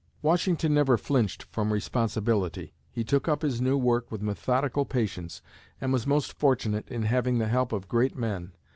Washington never flinched from responsibility. He took up his new work with methodical patience, and was most fortunate in having the help of great men.